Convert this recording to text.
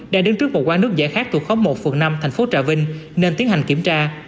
đang đứng trước một quán nước giải khác tù khóm một phường năm thành phố trà vinh nên tiến hành kiểm tra